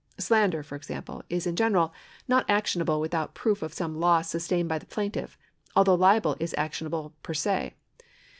Slander, for example, is in general not actionable without proof of some loss sustained by the plaintiff, although libel is actionable per se.